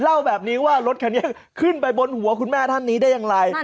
เล่าแบบนี้ว่ารถคันนี้ขึ้นไปบนหัวคุณแม่ท่านนี้ได้อย่างไร